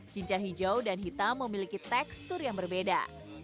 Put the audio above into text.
cincah hijau dan hitam memiliki tekstur yang berbeda